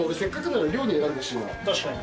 確かに。